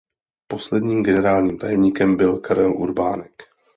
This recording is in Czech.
Posledním generálním tajemníkem byl Karel Urbánek.